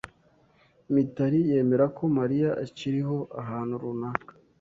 Mitari yemera ko Mariya akiriho ahantu runaka.